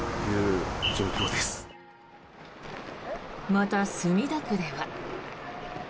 また、墨田区では。